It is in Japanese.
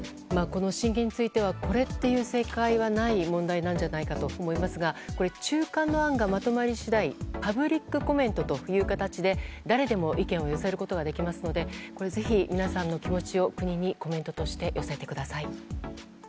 この親権についてはこれという正解がない問題じゃないかと思いますが中間の案がまとまり次第パブリックコメントという形で誰でも意見を寄せることができますのでこれはぜひ、皆さんの気持ちを国にコメントして寄せてください。